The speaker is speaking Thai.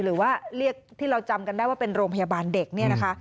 หรือว่าเรียกที่เราจำกันได้ว่าเป็นโรงพยาบาลเด็กเนี่ยนะคะ